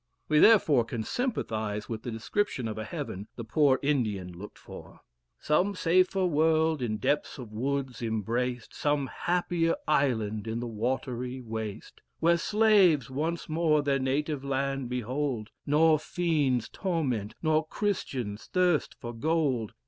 We therefore can sympathise with the description of a heaven, the poor Indian looked for: "Some safer world in depths of woods embraced, Some happier island in the watery waste; Where slaves once more their native land behold, Nor fiends torment, nor _Christians thirst for gold.